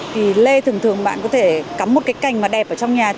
thì lê thường thường bạn có thể cắm một cái cành mà đẹp ở trong nhà